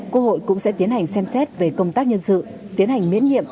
quốc hội cũng sẽ tiến hành xem xét về công tác nhân sự tiến hành miễn nhiệm